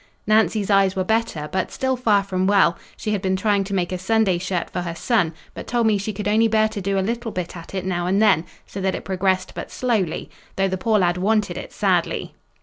Nancy's eyes were better, but still far from well: she had been trying to make a Sunday shirt for her son, but told me she could only bear to do a little bit at it now and then, so that it progressed but slowly, though the poor lad wanted it sadly.